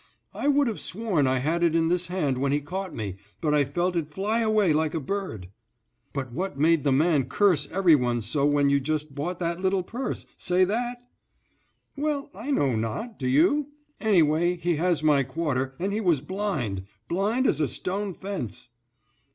"I would have sworn I had it in this hand when he caught me; but I felt it fly away like a bird." "But what made the man curse every one so when you just bought that little purse—say that?" "Well, I know not, do you? Anyway he has my quarter, and he was blind—blind as a stone fence."